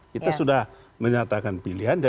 kita sudah menyatakan pilihan